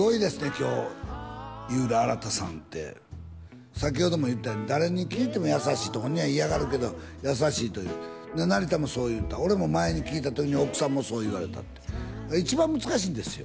今日井浦新さんって先ほども言ったように誰に聞いても優しいと本人は嫌がるけど優しいという成田もそう言うた俺も前に聞いた時に奥さんもそう言われたって一番難しいんですよ